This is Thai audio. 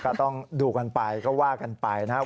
ก็ต้องดูกันไปก็ว่ากันไปนะครับ